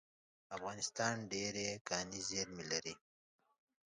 افغانستان ډیرې کاني زیرمې لري